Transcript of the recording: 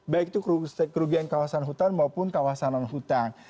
baik itu kerugian kawasan hutan maupun kawasan non hutang